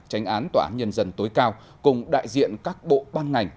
tránh án tòa án nhân dân tối cao cùng đại diện các bộ ban ngành